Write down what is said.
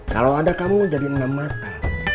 kalau ada kamu jadi enam mata